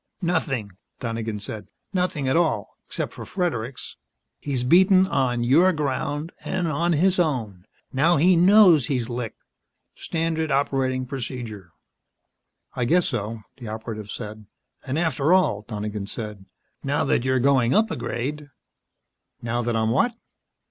"Nothing," Donegan said. "Nothing at all except for Fredericks. He's been beaten on your ground, and on his own. Now he knows he's licked. Standard operating procedure." "I guess so," the Operative said. "And after all," Donegan said, "now that you're going up a grade " "Now that I'm what?"